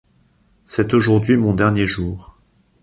C’est aujourd’hui mon dernier jour.